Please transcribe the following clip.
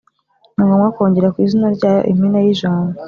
ni ngombwa kongera ku izina ryayo impine y ijambo